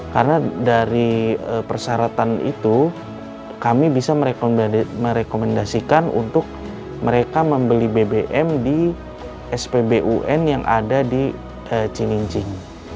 karena dari persyaratan itu kami bisa merekomendasikan untuk mereka membeli bbm di spbun yang ada di cinincing